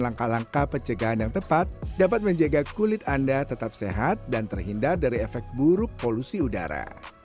langkah langkah pencegahan yang tepat dapat menjaga kulit anda tetap sehat dan terhindar dari efek buruk polusi udara